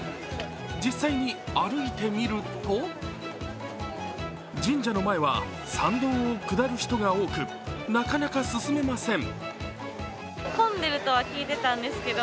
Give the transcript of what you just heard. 実際に、歩いてみると神社の前は参道を下る人が多く、なかなか進めません。